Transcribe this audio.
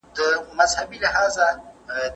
زه موبایل کارولی دی!!